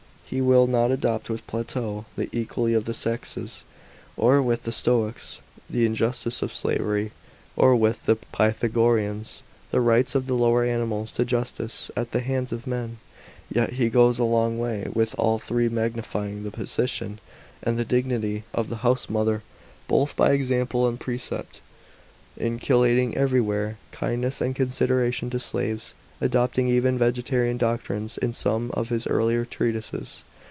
" He will not adopt with Plato the equality of the sexes, or with the Stoics the injustice of slavery, or with the Pythagoreans the rights of the lower animals to justice at the hands of men, yet he goes a long way with all three — magnifying the position and the dignity of the house mother both by example and precept, inculcating everywhere kindness and consideration to slaves, adopting even vegetarian doctrines in some of his earlier treatises."